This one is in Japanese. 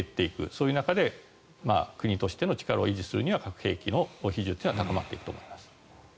そういう中で国としての力を維持するためには核兵器の比重は高くなっていくと思います。